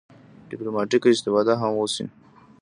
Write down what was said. ډیپلوماټیکه استفاده هم وشي.